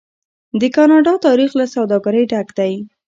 د کاناډا تاریخ له سوداګرۍ ډک دی.